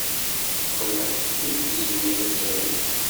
Teqqel ur tezmir ad taru.